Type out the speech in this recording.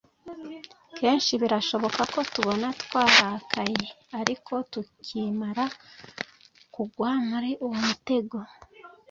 kenshi birashoboka ko tubona twarakaye ariko tukimara kugwa muri uwo mutego,